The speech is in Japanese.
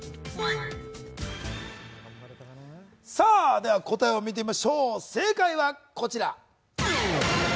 では答えを見てみましょう、正解はこちら。